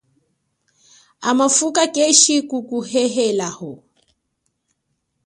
Hamafuka keshikuhehelaho.